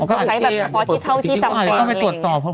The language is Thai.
ใช้เฉพาะเฉ้าที่จำก่อนเลย